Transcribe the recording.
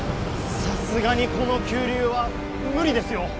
さすがにこの急流は無理ですよ